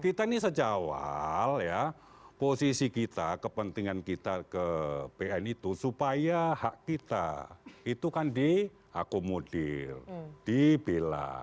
kita ini sejak awal ya posisi kita kepentingan kita ke pn itu supaya hak kita itu kan diakomodir dibela